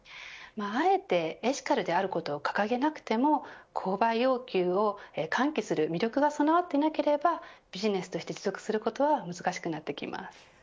あえて、エシカルであることを掲げなくても購買欲求を喚起する魅力が備わっていなければビジネスとして持続することは難しくなってきます。